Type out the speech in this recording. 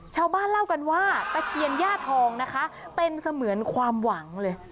ชาวบ้านเล่ากันว่าตะเคียนย่าทองนะคะเป็นเสมือนความหวังเลย